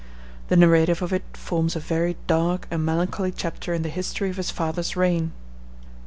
The narrative of it forms a very dark and melancholy chapter in the history of his father's reign.